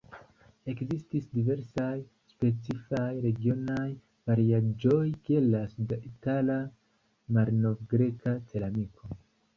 Ekzistis diversaj specifaj regionaj variaĵoj, kiel la sud-itala malnov-greka ceramiko.